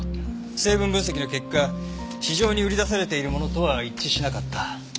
成分分析の結果市場に売り出されているものとは一致しなかった。